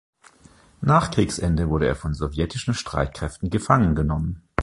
Nach Kriegsende wurde er von sowjetischen Streitkräften gefangen genommen.